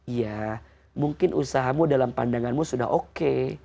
ya mungkin usahamu dalam pandanganmu sudah oke